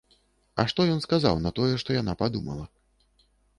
А што ён сказаў на тое, што яна падумала?